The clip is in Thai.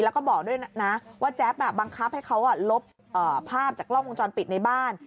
แล้วก็บอกด้วยนะว่าแจ๊บบังคับให้เขาลบภาพจากกล้องวงจรปิดในบ้าน